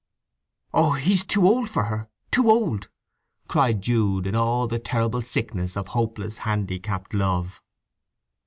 "Oh, he's too old for her—too old!" cried Jude in all the terrible sickness of hopeless, handicapped love.